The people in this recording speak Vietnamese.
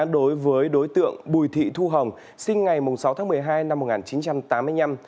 đối với đối tượng bùi thị thu hồng sinh ngày sáu tháng một mươi hai năm một nghìn chín trăm tám mươi năm